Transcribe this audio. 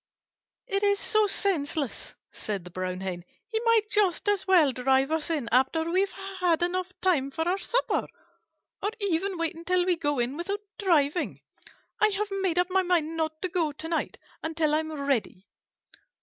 "It is so senseless," said the Brown Hen. "He might just as well drive us in after we have had time enough for our supper, or even wait until we go in without driving. I have made up my mind not to go to night until I am ready."